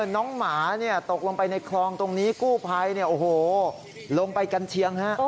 น้องหมาตกลงไปในคลองตรงนี้กู้ไพลลงไปกันเชียง